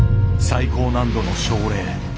最高難度の症例。